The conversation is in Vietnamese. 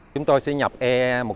chúng tôi sẽ nhập e một trăm linh